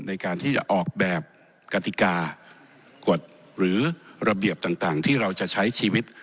ในการที่จะออกแบบกติกากฎหรือระเบียบต่างที่เราจะใช้ชีวิต